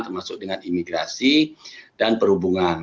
termasuk dengan imigrasi dan perhubungan